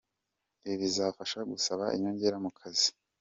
Ibi bizabafasha gusaba inyongera mu kazi.